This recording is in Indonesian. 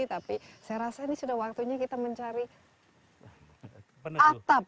tapi saya rasa ini sudah waktunya kita mencari atap